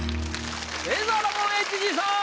レイザーラモン・ＨＧさん。